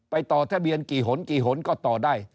ต่อทะเบียนกี่หนกี่หนก็ต่อได้